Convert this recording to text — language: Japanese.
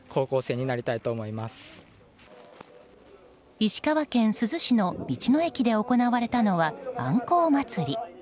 石川県珠洲市の道の駅で行われたのは、あんこう祭り。